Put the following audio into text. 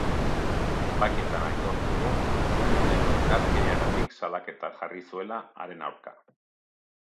Epaiketan aitortu du genero indarkeriagatik salaketa jarri zuela haren aurka.